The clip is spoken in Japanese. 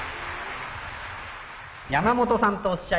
山本さんとおっしゃいます。